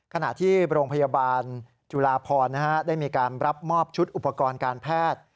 ขณะที่โรงพยาบาลจุลาพรได้มีการรับมอบชุดอุปกรณ์การแพทย์